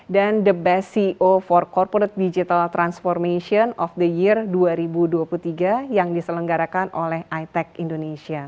dan the best ceo for corporate digital transformation of the year dua ribu dua puluh tiga yang diselenggarakan oleh itec indonesia